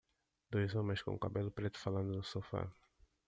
Dois homens com cabelo preto falando no sofá.